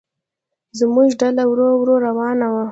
زموږ ډله ورو ورو روانه وه.